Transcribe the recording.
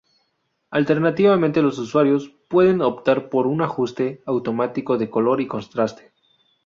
Alternativamente, los usuarios pueden optar por un ajuste "automático" de color y contraste.